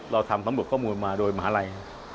เราทำทั้งหมดข้อมูลมาโดยมหาลัย